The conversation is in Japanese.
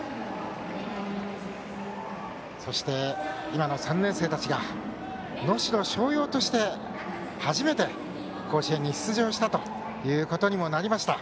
今の３年生たちが能代松陽として初めて甲子園に出場したということにもなりました。